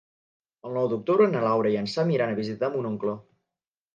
El nou d'octubre na Laura i en Sam iran a visitar mon oncle.